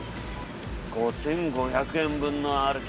５，５００円分の歩き。